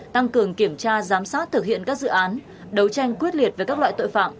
tăng cường kiểm tra giám sát thực hiện các dự án đấu tranh quyết liệt với các loại tội phạm